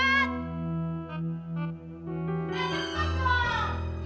ayah cepat dong